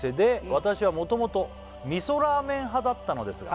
「私はもともと味噌ラーメン派だったのですが」